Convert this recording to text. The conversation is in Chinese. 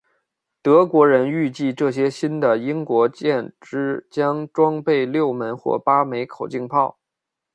德国人预计这些新的英国舰只将装备六门或八门口径炮。